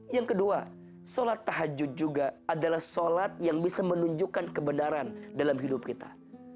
yang kedua sholat tahajud juga adalah sholat yang bisa menunjukkan kebenaran dalam hidup kita